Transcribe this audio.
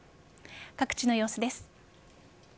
各地の様子です。